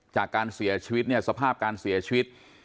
จากการเสียชีวิตเนี่ยสภาพการเสียชีวิต